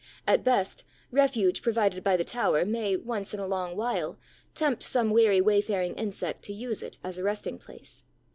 At best, refuge provided by the tower may, once in a long while, tempt some weary wayfaring insect to use it as a resting place.